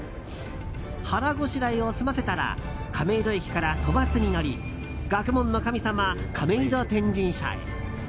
腹ごしらえを済ませたら亀戸駅から都バスに乗り学問の神様、亀戸天神社へ。